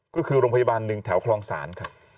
ก็คือโรงพยาบาลหนึ่งแถวคลองศาลครับ